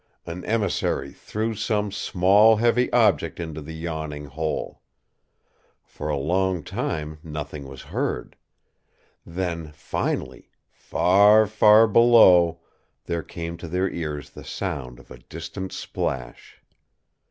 An emissary threw some small, heavy object into the yawning hole. For a long time nothing was heard. Then finally, far, far below there came to their ears the sound of a distant splash.